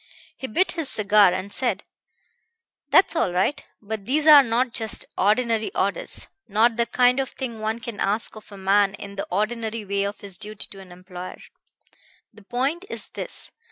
"He bit his cigar, and said: 'That's all right: but these are not just ordinary orders; not the kind of thing one can ask of a man in the ordinary way of his duty to an employer. The point is this.